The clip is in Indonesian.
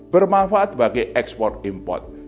bermanfaat bagi ekspor import